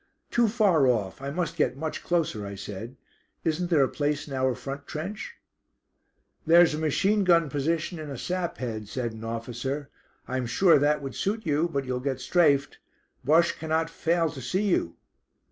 "Too far off; I must get much closer," I said. "Isn't there a place in our front trench?" "There's a machine gun position in a sap head," said an officer. "I am sure that would suit you, but you'll get strafed. Bosche cannot fail to see you."